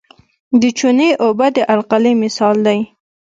د چونې اوبه د القلي مثال دی.